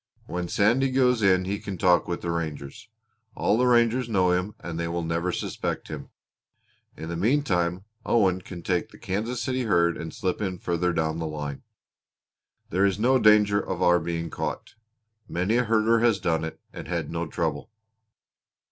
When Sandy goes in he can talk with the ranger. All the rangers know him and they never will suspect him. In the meantime Owen can take the Kansas City herd and slip in further down the line. There is no danger of our being caught. Many a herder has done it and had no trouble."